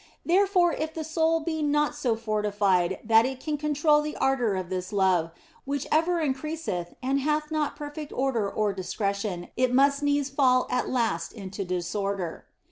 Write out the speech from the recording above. Therefore, if the soul be not so fortified that it can control the ardour of this love, which ever increaseth and hath not perfect order or discretion, it must needs fall at last into disorder.